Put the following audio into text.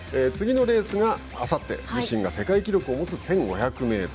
次のレースがあさって自身が世界記録を持つ１５００ｍです。